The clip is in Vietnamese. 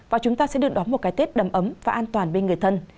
và chúng ta sẽ được đón một cái tết đầm ấm và an toàn bên người thân